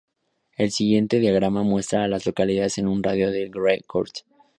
El siguiente diagrama muestra a las localidades en un radio de de Gray Court.